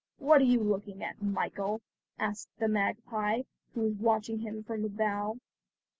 "What are you looking at, Michael?" asked the magpie, who was watching him from a bough.